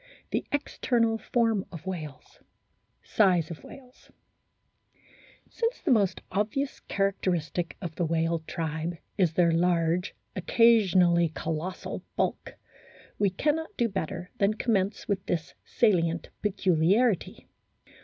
THE EXTERNAL FORM OF WHALES SIZE OF WHALES SINCE the most obvious characteristic of the whale tribe is their large, occasionally colossal, bulk, we cannot do better than commence with this salient peculiarity.